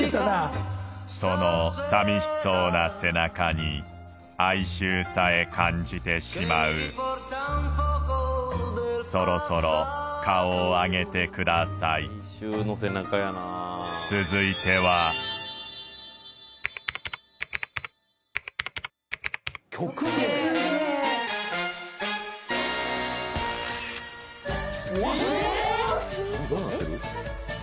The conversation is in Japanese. その寂しそうな背中に哀愁さえ感じてしまうそろそろ顔を上げてください続いてはどうなってる？